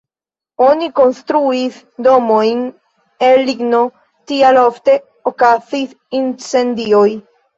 Oni konstruis domojn el ligno, tial ofte okazis incendioj.